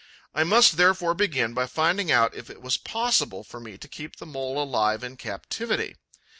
I must therefore begin by finding out if it was possible for me to keep the Mole alive in captivity.